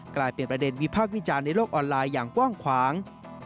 กลายเป็นประเด็นวิพากษ์วิจารณ์ในโลกออนไลน์อย่างกว้างขวาง